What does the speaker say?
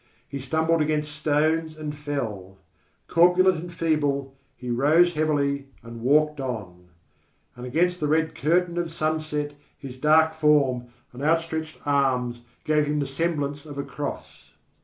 He stumbled against stones and fell; corpulent and feeble, he rose heavily and walked on; and against the red curtain of sunset his dark form and outstretched arms gave him the semblance of a cross.